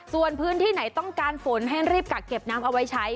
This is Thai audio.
ส่วนพื้นที่ไหนต้องการฝนให้รีบกักเก็บน้ำเอาไว้ใช้